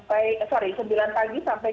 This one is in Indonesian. tapi karena memang banyak syarat